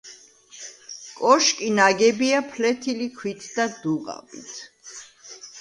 კოშკი ნაგებია ფლეთილი ქვით და დუღაბით.